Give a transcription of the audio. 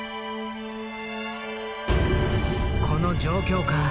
この状況下